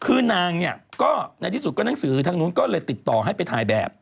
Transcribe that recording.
คือนางเนี่ยก็ก็นักที่สุดก็ติดต่อขึ้นให้ไทยแบบ